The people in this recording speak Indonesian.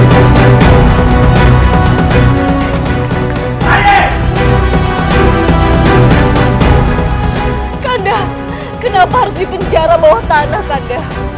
kandang kenapa harus dipenjara bawah tanah kandang